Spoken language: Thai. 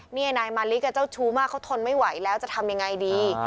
นี่นายมาริกเจ้าชู้มากเขาทนไม่ไหวแล้วจะทำยังไงดี